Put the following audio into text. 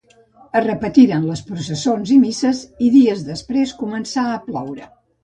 Es repetiren les processons i misses i dies després començà a ploure.